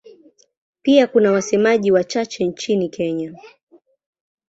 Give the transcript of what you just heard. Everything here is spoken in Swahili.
Pia kuna wasemaji wachache nchini Kenya.